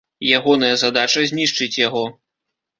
Ягоная задача знішчыць яго.